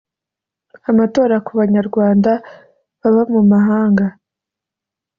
amatora ku banyarwanda baba mu mahanga